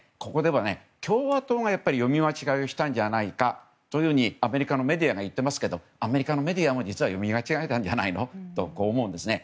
共和党が読み間違えをしたんじゃないかとアメリカのメディアが言っていますけどアメリカのメディアも実は読み間違えたんじゃないの？と思うんですね。